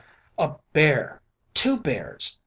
A bear! two bears!